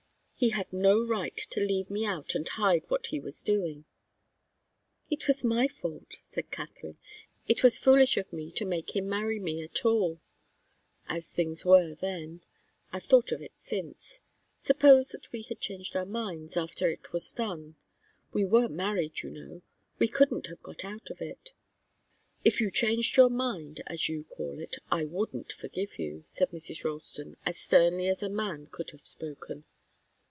He had no right to leave me out and hide what he was doing." "It was my fault," said Katharine. "It was foolish of me to make him marry me at all, as things were then. I've thought of it since. Suppose that we had changed our minds, after it was done we were married, you know we couldn't have got out of it." "If you changed your mind, as you call it, I wouldn't forgive you," said Mrs. Ralston, as sternly as a man could have spoken.